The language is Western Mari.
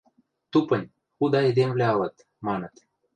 Тупынь, худа эдемвлӓ ылыт, маныт.